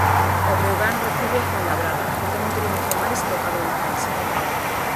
O Breogán recibe o Fuenlabrada, que ten un triunfo máis que o cadro lucense.